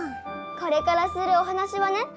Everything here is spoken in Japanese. これからするおはなしはね